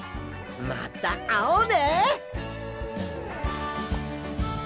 またあおうね！